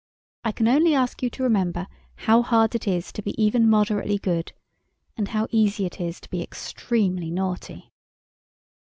I can only ask you to remember how hard it is to be even moderately good, and how easy it is to be extremely naughty.